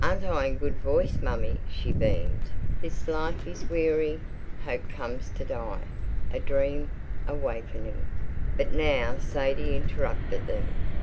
"Aren't I in good voice, mummy?" she beamed. This Life is Wee ary, Hope comes to Die. A Dream—a Wa kening. But now Sadie interrupted them.